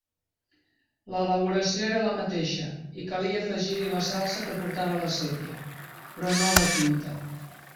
L'elaboració era la mateixa i calia afegir-hi la salsa que portava la sépia —però no la tinta.